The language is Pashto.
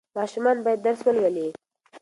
ماشومان باید درس ولولي.